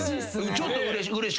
ちょっとうれしかった。